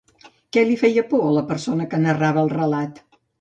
Què li feia por a la persona que narrava el relat?